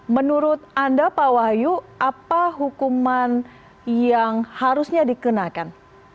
menurut anda pak wahyu apa hukuman yang harusnya dikenakan